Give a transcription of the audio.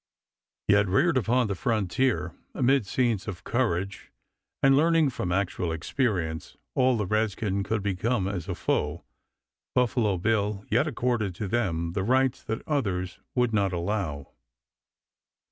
Yet, reared upon the frontier, amid scenes of courage, and learning from actual experience all the redskin could become as a foe, Buffalo Bill yet accorded to them the rights that others would not allow.